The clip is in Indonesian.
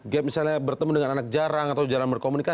gap misalnya bertemu dengan anak jarang atau jarang berkomunikasi